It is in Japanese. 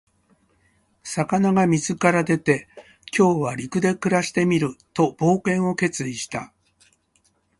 魚が水から出て、「今日は陸で暮らしてみる」と冒険を決意した。